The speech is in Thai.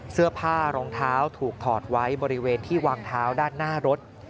เสื้อผ้ารองเท้าถูกถอดไว้บริเวณที่วางเท้าด้านหน้ารถ